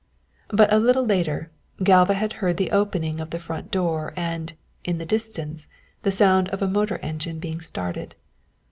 But a little later, Galva had heard the opening of the front door and, in the distance, the sound of a motor engine being started.